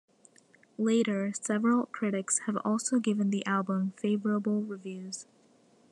Later, several critics have also given the album favourable reviews.